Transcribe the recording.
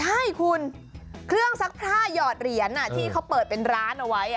ใช่คุณเครื่องซักผ้าหยอดเหรียญที่เขาเปิดเป็นร้านเอาไว้